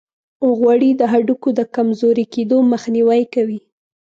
غوړې د هډوکو د کمزوري کیدو مخنیوي کوي.